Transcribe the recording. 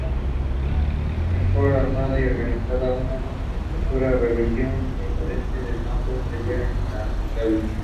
Mejor armada y organizada, una futura rebelión procedente del campo sería imbatible.